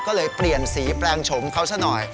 ก็เลยเปลี่ยนสีแปลงชมเขาซะหน่อย